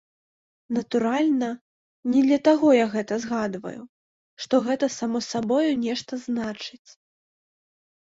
Натуральна, не для таго я гэта згадваю, што гэта само сабою нешта значыць.